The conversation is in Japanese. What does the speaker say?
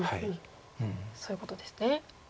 そういうことですね。